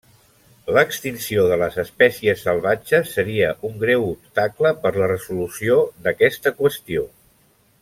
L'extinció de les espècies salvatges seria un greu obstacle per la resolució d'aquesta qüestió.